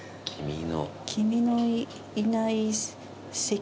「君のいない席」。